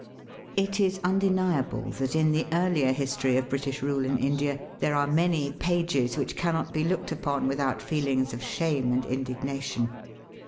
It is imdeniable that in the earlier history of British rule in India there are many pages which cannot be looked upon without feelings of shame and indignation.